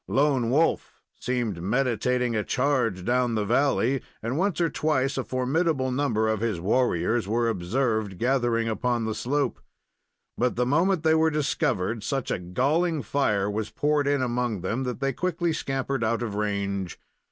Lone Wolf seemed meditating a charge down the valley, and once or twice a formidable number of his warriors were observed gathering upon the slope; but the moment they were discovered such a galling fire was poured in among them that they quickly scampered out of range.